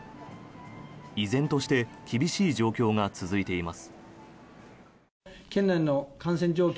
依然として厳しい状況が続いています。